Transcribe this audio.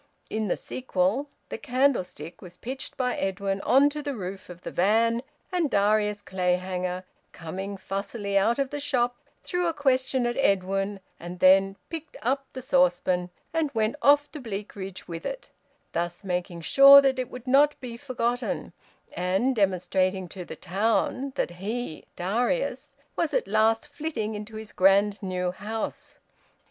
In the sequel, the candlestick was pitched by Edwin on to the roof of the van, and Darius Clayhanger, coming fussily out of the shop, threw a question at Edwin and then picked up the saucepan and went off to Bleakridge with it, thus making sure that it would not be forgotten, and demonstrating to the town that he, Darius, was at last `flitting' into his grand new house.